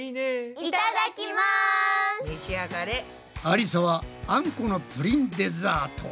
ありさはあんこのプリンデザート。